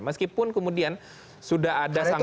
meskipun kemudian sudah ada sangsi yang